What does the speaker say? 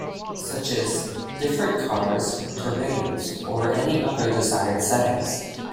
Such as; different cars, terrains or any other desired settings.